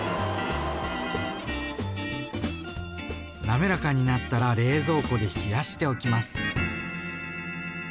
滑らかになったら冷蔵庫で冷やしておきます。